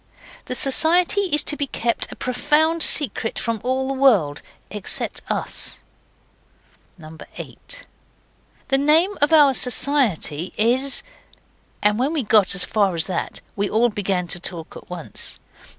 The Society is to be kept a profound secret from all the world except us. 8. The name of our Society is And when we got as far as that we all began to talk at once.